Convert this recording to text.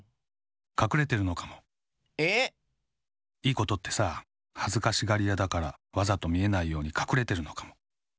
いいことってさはずかしがりやだからわざとみえないようにかくれてるのかも。